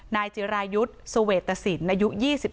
นายจิรายุทธ์เสวตสินอายุ๒๓